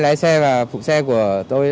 hai lái xe và phục xe của tôi